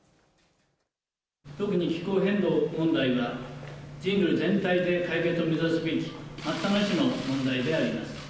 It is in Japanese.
特に気候変動問題は、人類全体で解決を目指すべき待ったなしの問題であります。